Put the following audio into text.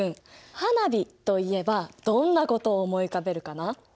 花火といえばどんなことを思い浮かべるかな？